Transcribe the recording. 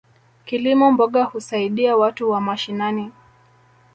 Kilimo mboga husaidia watu wa mashinani.